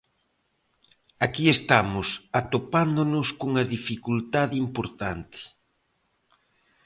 Aquí estamos atopándonos cunha dificultade importante.